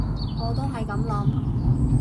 我都係噉諗